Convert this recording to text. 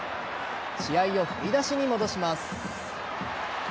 試合を振り出しに戻します。